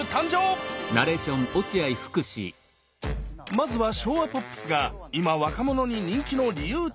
まずは昭和ポップスが今若者に人気の理由とは？